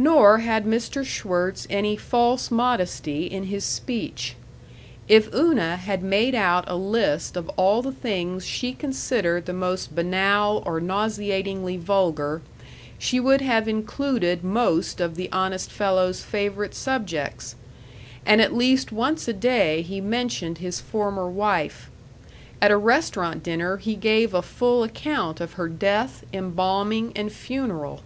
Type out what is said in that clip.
Nor had Mr. Schwirtz any false modesty in his speech. If Una had made out a list of all the things she considered the most banal or nauseatingly vulgar, she would have included most of the honest fellow's favorite subjects. And at least once a day he mentioned his former wife. At a restaurant dinner he gave a full account of her death, embalming, and funeral.